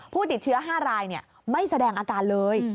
ผู้ติดเชื้อ๕รายไม่แสดงอาการเลย